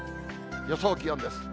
予想気温です。